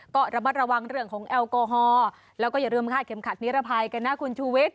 ก็ระมัดระวังเรื่องของแอลกอฮอล์แล้วก็อย่าลืมคาดเข็มขัดนิรภัยกันนะคุณชูวิทย